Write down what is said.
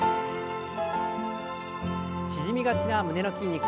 縮みがちな胸の筋肉。